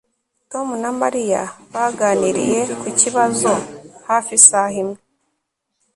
Tom na Mariya baganiriye ku kibazo hafi isaha imwe